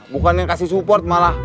bukan yang kasih support malah